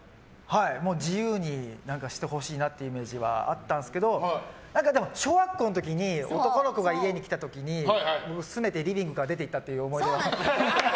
自由にしてほしいなというイメージはあったんですけど小学校の時に男の子が家に来た時にすねてリビングから出て行ったという思い出が。